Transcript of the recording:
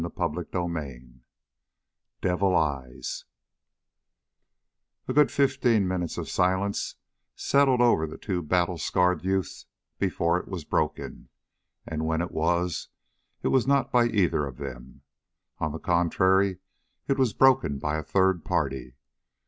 CHAPTER FOURTEEN Devil Eyes A good fifteen minutes of silence settled over the two battle scarred youths before it was broken. And when it was, it was not by either of them. On the contrary, it was broken by a third party.